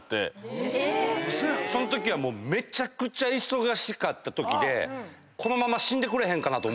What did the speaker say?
そんときはめちゃくちゃ忙しかったときで。と思いました。